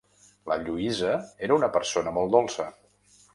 La Lluïsa era una persona molt dolça.